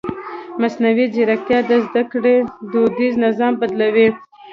مصنوعي ځیرکتیا د زده کړې دودیز نظام بدلوي.